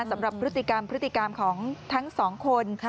สำหรับพฤติกรรมพฤติกรรมของทั้งสองคน